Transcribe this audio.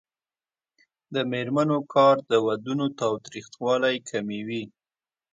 د میرمنو کار د ودونو تاوتریخوالی کموي.